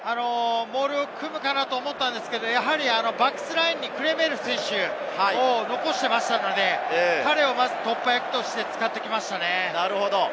モールを組むかなと思ったんですけれど、バックスラインにクレメール選手を残していましたので、彼を突破役として使ってきましたね。